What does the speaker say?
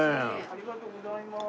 ありがとうございます。